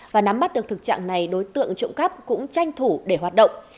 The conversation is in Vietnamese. và nắm bắt được thực trạng này đối tượng trộm cắp cũng tranh thủ để hoạt động